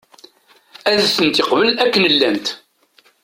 Ad tent-yeqbel akken llant.